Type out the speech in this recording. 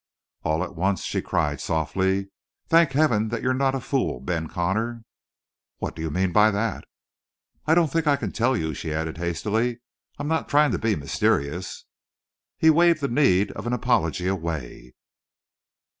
All at once she cried softly: "Thank Heaven that you're not a fool, Ben Connor!" "What do you mean by that?" "I don't think I can tell you." She added hastily: "I'm not trying to be mysterious." He waved the need of an apology away.